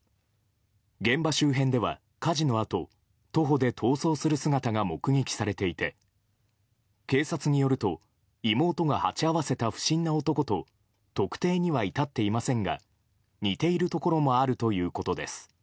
現場周辺では、火事のあと徒歩で逃走する姿が目撃されていて警察によると妹が鉢合わせた不審な男と特定には至っていませんが似ているところもあるということです。